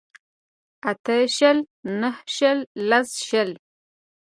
اته شله نهه شله لس شله